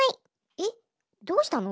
えっどうしたの？